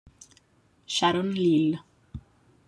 Sharon Leal